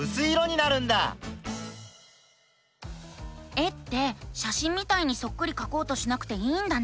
絵ってしゃしんみたいにそっくりかこうとしなくていいんだね。